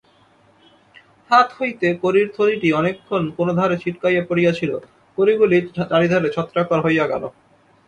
হাত হইতে কড়ির থলিটি অনেকক্ষণ কোন ধারে ছিটকাইয়া পড়িয়াছিল-কড়িগুলি চারিধারে ছত্রাকার হইয়া গেল।